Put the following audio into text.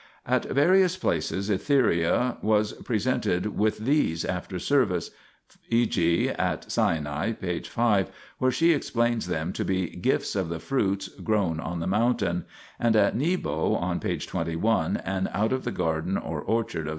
At various places Etheria was pre sented with these after service, e.g. at Sinai, p. 5, where she explains them to be "gifts of the fruits grown on the mountain," and at Nebo on p. 21, and out of the garden or orchard of S.